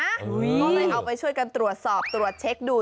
ก็เลยเอาไปช่วยกันตรวจสอบตรวจเช็คดู